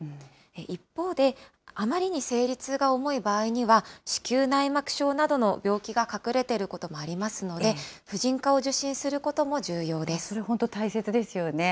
一方で、あまりに生理痛が重い場合には、子宮内膜症などの病気が隠れていることもありますので、それ、本当大切ですよね。